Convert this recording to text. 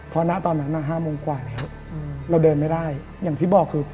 เพราะหน้าตอนนั้น๕โมงกว่าแล้วเราเดินไม่ได้อย่างที่บอกคือ